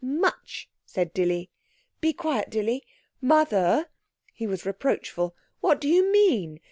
'Much,' said Dilly. '(Be quiet, Dilly!) Mother!' he was reproachful, 'what do you mean?